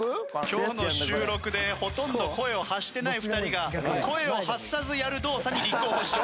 今日の収録でほとんど声を発してない２人が声を発さずやる動作に立候補したという。